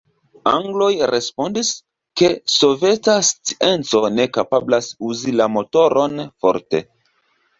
Angloj respondis, ke soveta scienco ne kapablas uzi la motoron forte.